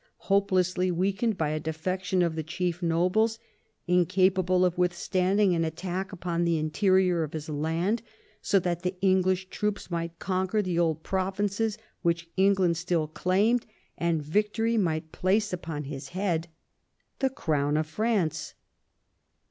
hopelessly weakened by a defection of the chief nobles, incapable of withstanding an attack upon the interior of his land, so that the English troops might conquer the old provinces which England still claimed, and viptory might place upon his head the crown of France.